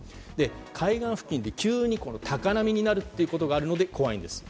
海岸付近で急に高波になることがあるので怖いんです。